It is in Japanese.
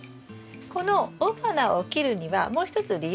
この雄花を切るにはもう一つ理由があります。